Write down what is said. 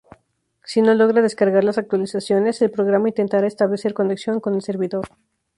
Si no logra descargar las actualizaciones, el programa intentará establecer conexión con el servidor.